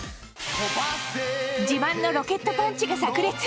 自慢のロケットパンチが炸裂！